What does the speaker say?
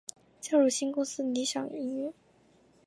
加入新公司理响音乐。